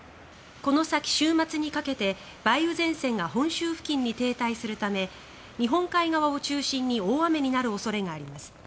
この先、週末にかけて梅雨前線が本州付近に停滞するため日本海側を中心に大雨になる恐れがあります。